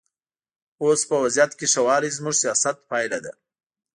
اوس په وضعیت کې ښه والی زموږ سیاست پایله ده.